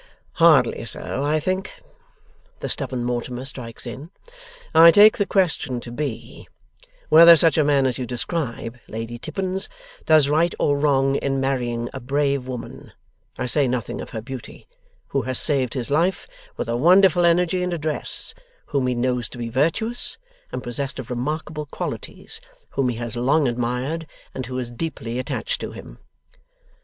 'Hardly so, I think,' the stubborn Mortimer strikes in. 'I take the question to be, whether such a man as you describe, Lady Tippins, does right or wrong in marrying a brave woman (I say nothing of her beauty), who has saved his life, with a wonderful energy and address; whom he knows to be virtuous, and possessed of remarkable qualities; whom he has long admired, and who is deeply attached to him.